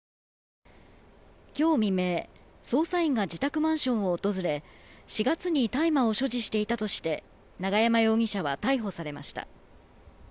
今日未明捜査員が自宅マンションを訪れ４月に大麻を所持していたとして永山容疑者は逮捕されました。